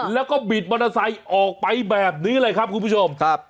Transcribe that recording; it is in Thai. แล้วก็บิดมอเตอร์ไซค์ออกไปแบบนี้เลยครับคุณผู้ชมครับ